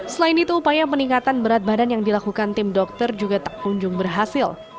selain itu upaya peningkatan berat badan yang dilakukan tim dokter juga tak kunjung berhasil